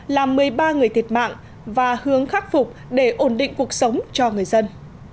làm một mươi ba người thiệt mạng và hướng khắc phục để ổn định cuộc sống cho người dân